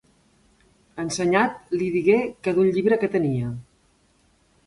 Ensenyat li digué que d'un llibre que tenia.